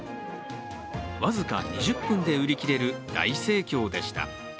僅か２０分で売り切れる大盛況でした。